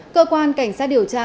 cơ quan cảnh sát điều tra